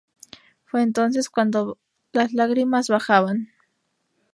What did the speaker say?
Fue entonces cuando las lágrimas bajaban.